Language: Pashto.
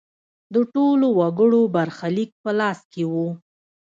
د ټولو وګړو برخلیک په لاس کې و.